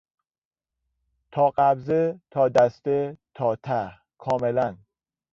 تا قبضه، تا دسته، تا ته، کاملا